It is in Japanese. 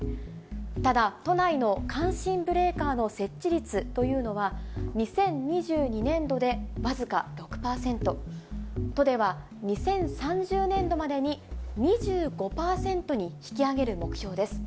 ただ、都内の感震ブレーカーの設置率というのは、２０２２年度で僅か６％、都では、２０３０年度までに２５％に引き上げる目標です。